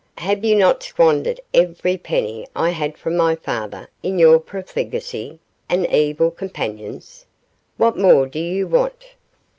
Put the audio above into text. Have you not squandered every penny I had from my father in your profligacy and evil companions? What more do you want?